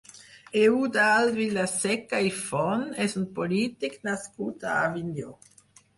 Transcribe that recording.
Eudald Vilaseca i Font és un polític nascut a Avinyó.